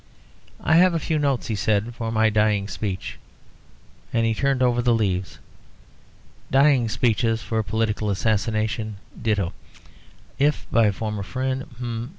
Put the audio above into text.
"I have a few notes," he said, "for my dying speech;" and he turned over the leaves. "Dying speech for political assassination; ditto, if by former friend h'm, h'm.